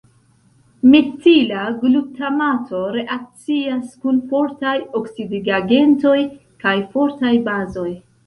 Metila glutamato reakcias kun fortaj oksidigagentoj kaj fortaj bazoj.